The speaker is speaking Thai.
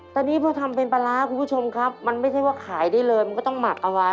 แต่นี่พอทำเป็นปลาร้าคุณผู้ชมครับมันไม่ใช่ว่าขายได้เลยมันก็ต้องหมักเอาไว้